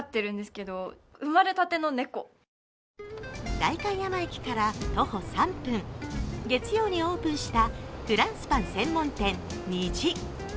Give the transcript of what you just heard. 代官山駅から徒歩３分、月曜にオープンしたフランスパン専門店・虹。